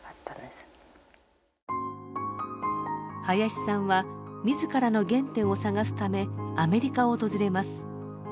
林さんは自らの原点を探すためアメリカを訪れます。